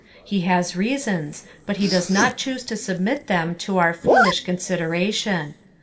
He has reasons, but he does not choose to submit them to our foolbh consideration.